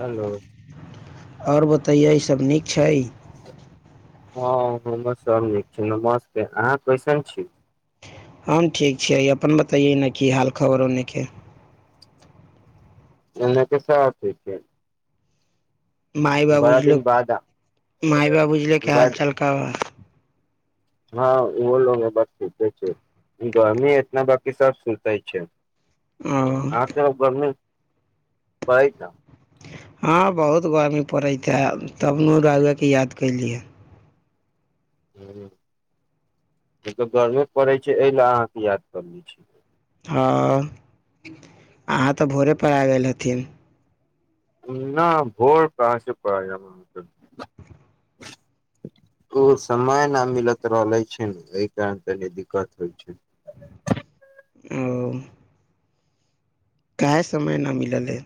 Hello और बतैयई सब नीक छै हँ, हम सब नीक छी, नमस्ते, अहाँ कैसन छी। हम ठीक छियै अपन बतैयै ने की हाल खबर ओन्नेके। एने के सब ठीक छै। माई बाबू बड़ा जी दिन लोग, बाद माई बाबू जी लोग क हाल बाद चाल का बा। हँ ओहो लग बस सुते छै, गर्मी एतना बकी सब सुतै छै। ओ आह त गर्मी पइता हँ बहुत गर्मी पड़ैत छै, हए तब ने रायुवाके याद कयली ह। ह, तऽ गर्मेे पड़ैत छै एहि लेल अहाँके याद कर लै छी। हँ, अहाँ तऽ भोरे पेआ गेल हथिन। न भोर पास, [unintelligible] ओ समय न मिलत रहल ले छै ने एहि कारण तनी दिक्कत होइ छै। ओ काहे समय नहि मिललैइ।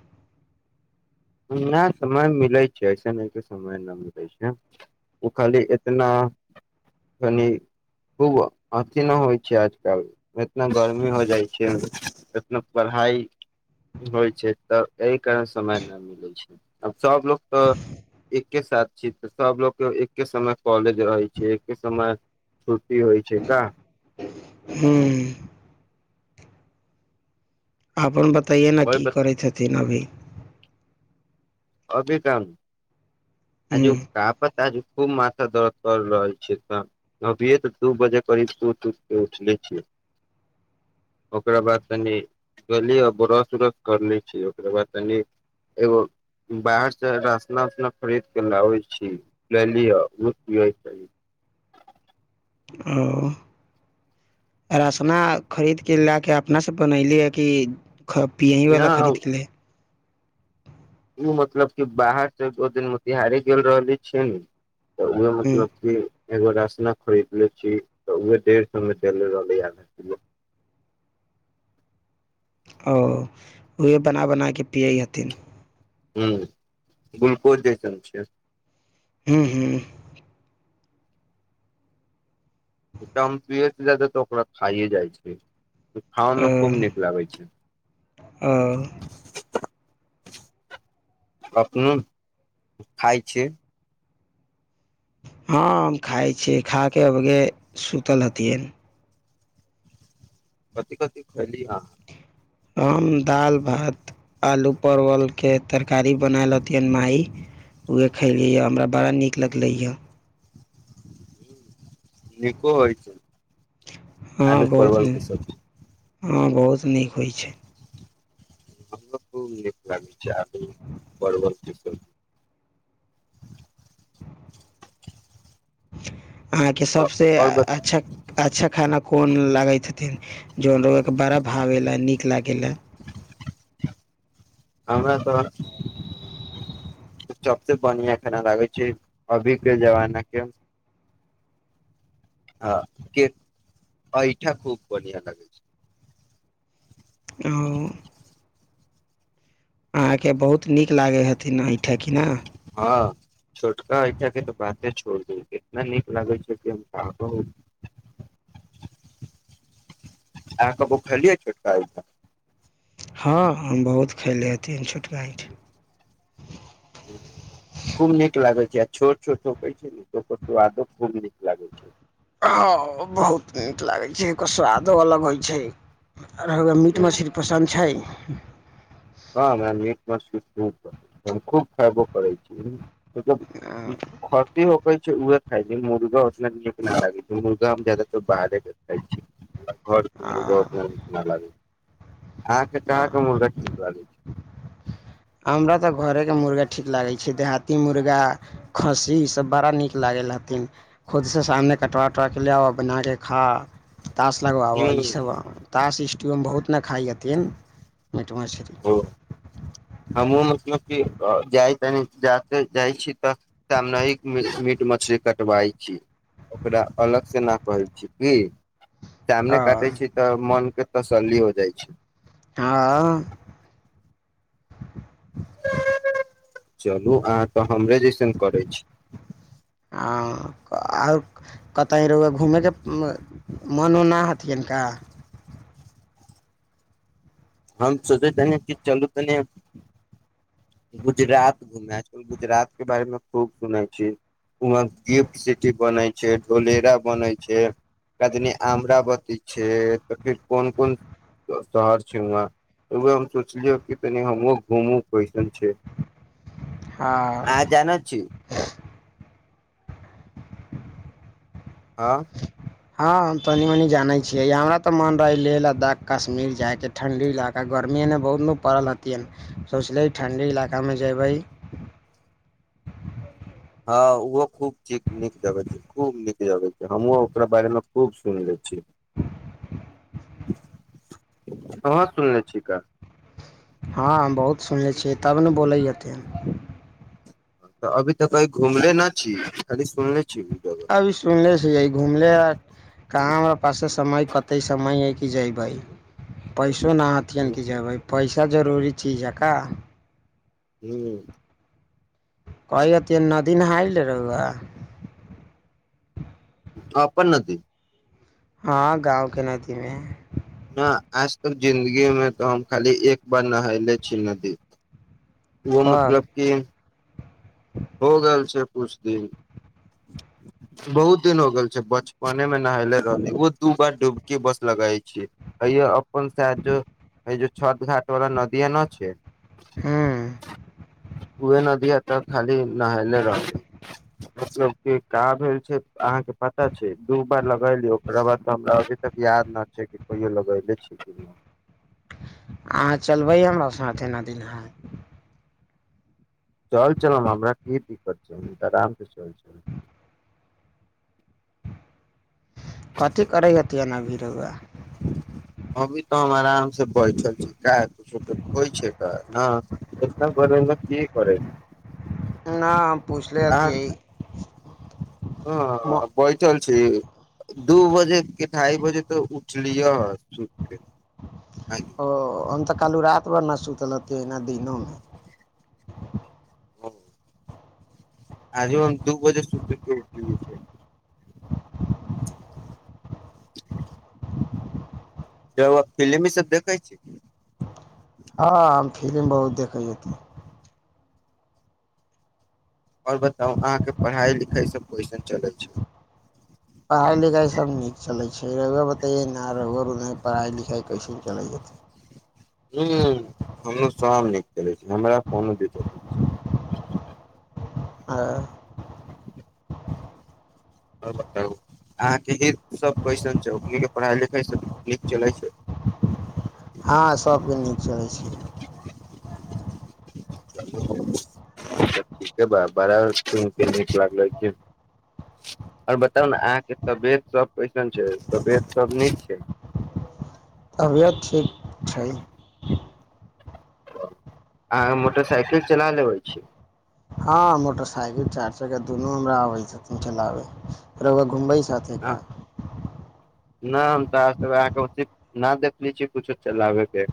नहि समय मिलै छै, ऐसन न के समय नहि मिलै छै, ओ खाली एतना कनि खूब अथिी नहि होइ छै, आजकल एतना गर्मी हो जाइ छै, एतना पढ़ाई होइ छै, तऽ क समय ना मिली। अब सब लोकोग तऽ एकके साथ छी तऽ सब लोकग के एकके समय कॉलेज रहै छै, एके समय छु टी होइ छै का। ह्म्म। अपन बता तहिये न आओर की बता करै छथिन अभी। अभी काम हूँ आझु का पति आझू खूब माथा दर्द कर रहल छीिय तऽ अभिये तऽ दू बजे करीब ूट उट के उठले छियै, ओकरा बाद तनी गली ब्रस उरस करले छिय ओकरा बाद तनि एगो बाहर सँ राशना उसना खरीद क लाबै छी ल लिह ओ पै ओ, राशना खरीद कऽ लए कऽ अपनासँ बनयलीै कि ख न पियहीवला खरीदके लै हु मतलब कि बाहरसँ ओ दिन मोतिहारे गेल रहले छै न तऽ उएह हूँ मतलब कि एगो रशना खरीदले छी तऽ उह डेढ़ सए मे देल रहले अधा किलो। ओ, उहे बना बना कऽ पियै हथिन। ह ग्लूकोज जैसन छै। ह्मँ ह्म। एक दम पेस्ट रहतक त ओकरा खाइए जाइ छै। ओ खनमे खूब नीक लागै छै। ओ अपनो खाइ छ। हँ, हम खाइ छियै खा कऽ अगे सुतल हतियै। कथी कथी खईली ह। हम दालि भात, आलू परवलके तरकारी बनायल हथिियनि माइ उह खयलिय हए, हमरा बड़ा नीक लगलैए। निको होइ छै। हँ, आलू बहुत परवल नहि। के सब्जी हँ, बहुत नीक होइ छै। हमरा त निक लागै छै आलू परवल के [unintelligible] अहाँके सबसँ आओर बत अच्छा अच्छा खाना कोन लागैत ह। थिन जो लोगो का बड़ा भावे ला नीक लागेलए। हमरा तऽ सबबसँे बढ़िआँ खाना लागै छै अभी के जमाना के। हँ के अ इऐठा खूब बढ़आ लागे छै। ओ। अहाँके बहुत नीक लागै हथिन एहिठक न। छै हँ, छोटका ऐठ के तऽ बाते छोड़ द इतना नीक लागै छै कि हम का कहूँ, अहा कबो खईली ही छोटका ऐठ। हँ, हम बहुत खयले हथिन छोटका एठन। खूब नीक लागे छै आ छोट छोट छोक छै ओकर स्वादे खूब नीक लागे छै। हँ, बहुत नीक लागै छै ओकर स्वादो अलग होइ छै। अर ह मीट छै मछली पसन्द छै। [unintelligible] हँ न मिट मछली खूब हम खूब खायबो करै छी मतलब कति कहै छै उहे खाइ छै, मुर्गा उतना नीक न लागे छै, मुर्गा हम जादातर बाहरे के खाइ छी। घर के मुर्गा उतना निक नई लगे, अहाँके कहाँ के मुर्गा ठीक लागी छै। हमरा तऽ घरेके मुर्गा ठीक लागै छै, देहाती मुर्गा खस्सी इसभ बड़ा नीक लागै हथिन, खुदसँ सामने कटु उटु कऽ लाउ आ बना कऽ खाउ। तास लगबाबऽ छै ई सब तास इ ट्यमे बहुत नखाइ हथिन मिट मछली। हुं [unintelligible] [unintelligible] [unintelligible] हँ चलू अहाँ तऽ [unintelligible] [unintelligible] [unintelligible] [unintelligible] हँ [unintelligible] हँ हँ हम तनि मनि जानै छियै हमरा तऽ मोन रहै लेह लद्दाख कश्मीर जायके ठण्ढी इलाका गर्मी एन्ने बहुत न पड़ल हेथिन सोचलियै ठण्ढी इलाकामे जेयबै हँ ओहो खूब ठीक नीक जगह छै खूब नीक जगह छै हमहूँ ओकरा बारे मे खूब सुनले छी अंह सुनले छी का छै तब न बोलै हथिन तऽ अभी तऽ कहीं घुमले न छी खाली सुनले छी जगह अभी सुनले छियै घुमले आ कहाँ हमरा पासे समय कते समय हइ की जयबै पैस- -सो ना हथिन हूँ की जेयबै पैस- -सा जरूरी चीज है का हूँ कहै हथिन नदी नहायले रौआ अपन नदी हँ गाँवके नदीमे न आज तक जिन्दगीमे तऽ हम खाली एक बार नहाएले छी नदी ओहो कब मतलब कि हो गेल छै कुछ दिन बहुत दिन हो गेल छै बचपने मे नहेले रहली ओहो दू बार डुबकी बस लगै छियै तयौ अब [unintelligible] छठ घाट वला नदीआ न छै हूँ ओहे नदीया खाली नहले रहली मतलब की का भेल छै अहाँके पता छै दू बार लगैली ओकरा बाद त हमरा अभी तक याद न छै कि कहियौ लगैले छी कि नहि अहाँ चलबै हमरा साथ एना दिन नहाए चल चलम हमरा की दिक्कत छै हम त अराम सँ चल चलम कथि करै हथिन अभी रौआ काम से बैठल छी का कुछो त होइ छै का ना एतना बरे के करेली ना हम पूछले आ- हतियै म हँ बैठल ठीक दू बजे की ढ़ाइ बजे तऽ उठलियऽ हँ ओ हम तऽ कालहु राति भर न सुतलहतिये ना दिनोमे हँ आजु हम दू बजे सुती के उठलियै छै रौआ फिल्म इ सब देखै छी हँ फिल्म बहुत देखै हथिन आओर बताउ अहाँके पढ़ाइ लिखाइसभ कैसन चलै छै पढ़ाइ लिखाइ सभ नीक चलै छै रौआ बतैयै ना रौआ पढ़ाइ लिखाइ कैसन चलै हथिन हूँ हमरो सब नीक चलै छै हमरा कोनो दिक्कत नहि छै हँ आओर बताबू अहाँके ई सभ क्वेश्चन छै इ पढ़ाइ लिखाइ सब नीक चलै छै हँ सबके नीक चलै छै ठीके बा ब बड़ा सुन के नीक लागल छै आओर बताउ ने अहाँके तबियत सभ कैसन छै तबियत सभ नीक छै तबीयत ठीक छै अहाँ मोटरसाइकिल चला लेबै छी हँ मोटरसाइकिल चार्जर के दुनू हमरा आबै छथिन चलाबे रौआ घुमे- -जाथे का ना हम तऽ अहाँके ओ ना देखले छी कुछो चलाबे के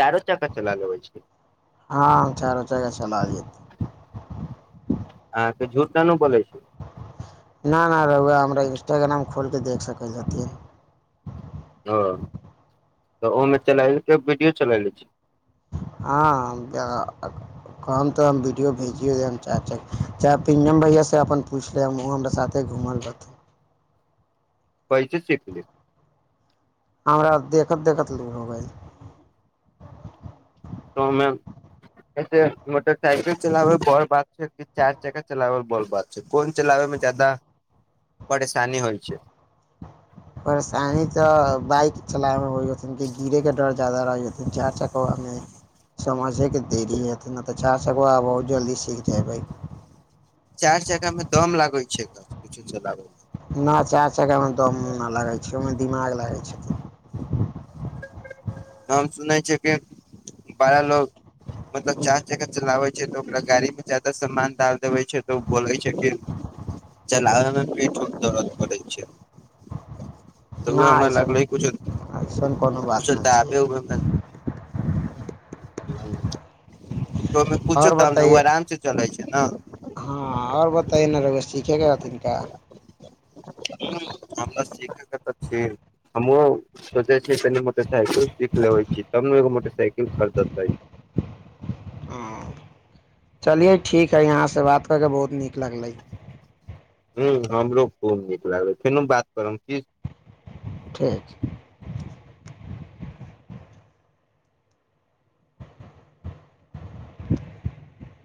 चारो चकका चला लबै छी हँ हम चारो चक्का चला लेत अहाँके झूठ न न बोलै छी ना ना रौआ हमरा इन्स्टाग्राम खोलिके देख सकै छथिन हँ तऽ ओहिमे चला लैक वीडियो चललै छी हँ-अ -कहब तऽ हम वीडियो भेजियौ देब हम चाह- च-चाहे पिंजम भैया से अपन पुछि लेब ओ हमरा साथे घूमल रहथिन कैसे सीखली हमरा देखत देखत लूर होइ गेल तऽ ओहिमे कैसे मोटरसाइकिल चलाबै बड़ बात छै की चारि चक्का चलाबै बड़ बात छै कोन चलाबै मे ज्यादा परेशानी होइ छै परेशानी तऽ बाइक चलामे होइ रहथिन गीरे के डर ज्यादा रहै हथिन चार चक्काबामे समझेके देरी हेथिन नहि तऽ चार चक्कबा व-जल्दी सीख जयबै चारि चचक्का मे दम लागै छै कुछो चलाबे न चारि चक्कामे दम ना लागै छै ओहिमे दिमाग लागै छै हम सुनै छियै की बड़ा लोग मतलब चार चक्का चलाबै छै तऽ ओकरा गाड़ी मे ज्यादा समान डाल देबै छै तऽ बोलै छै की चलाबे मे पीठ उठ दर्दऽ करै छै तऽ ना उहाए हमरा ऐसन लागलै कुछ अइसन कोनो बात न छियै हूँ तो मे पूछो आओर तब न ओ बताइए आराम से चलै छै केना हँ आओर बतायै न रौआ सीखेके रहथिन का हमरा सीखयके तऽ छी हमहुँ सोचे छी कनि मोटरसाइकिल सीख लेबै छी तब ने एगो मोटरसाइकिल खरीदेतै हँ चलियै ठीक हइ अहाँ से बात कऽ कऽ बहुत नीक लगलै हूँ हमरो खूब नीक लागल फेनों बात करब की ठीक [inaudible]